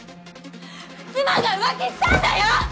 妻が浮気したんだよ？